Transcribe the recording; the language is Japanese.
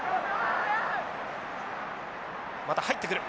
また入ってくる。